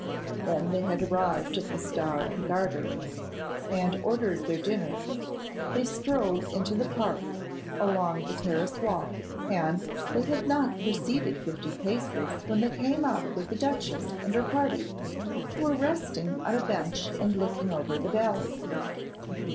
When they had arrived at the Star and Garter, and ordered their dinner, they strolled into the Park, along the Terrace walk; and they had not proceeded fifty paces when they came up with the duchess and her party, who were resting on a bench and looking over the valley.